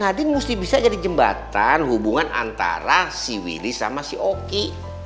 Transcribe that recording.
kadin mesti bisa jadi jembatan hubungan antara si willy sama si oki